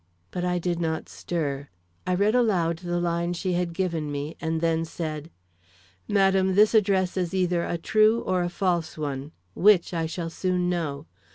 But I did not stir. I read aloud the line she had given me and then said: "Madam, this address is either a true or a false one. Which, I shall soon know.